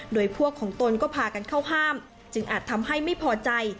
โดยพวกของตนก็พากันเข้าห้ามจึงอาจทำให้ไม่พอใจ